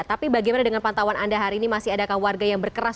tapi bagaimana dengan pantauan anda hari ini masih adakah warga yang berkeras